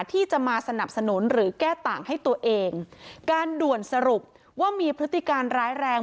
ที่จะมาสนับสนุนหรือแก้ต่างให้ตัวเองการด่วนสรุปว่ามีพฤติการร้ายแรง